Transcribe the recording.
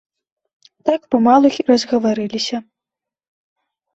Так памалу й разгаварыліся.